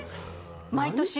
毎年。